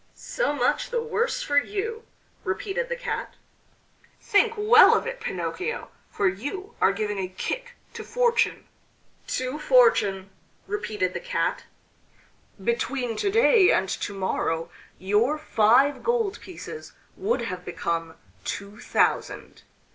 "So much the worse for you!" repeated the Cat. "Think well of it, Pinocchio, for you are giving a kick to fortune." "To fortune!" repeated the Cat. "Between to day and to morrow your five gold pieces would have become two thousand."